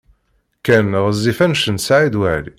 Ken ɣezzif anect n Saɛid Waɛli.